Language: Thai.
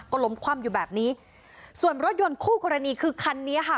ก็ล้มคว่ำอยู่แบบนี้ส่วนรถยนต์คู่กรณีคือคันนี้ค่ะ